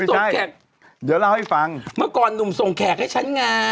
ส่งแขกเดี๋ยวเล่าให้ฟังเมื่อก่อนหนุ่มส่งแขกให้ฉันไง